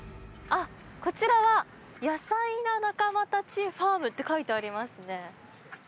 あっ、こちらはヤサイな仲間たちファームって書いてありますね。